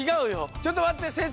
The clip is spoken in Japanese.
ちょっとまってせんせい。